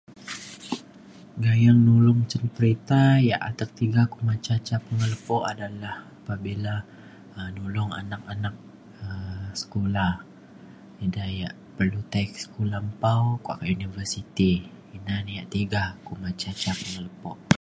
gayeng dulu cin perinta ia’ atek tiga kuma ca ca pengelepo adalah pabila um nulong anak anak um sekula ida ia’ perlu tai ke sekula lempau kuak universiti ina na ia’ tiga kuma ca ca pengelepo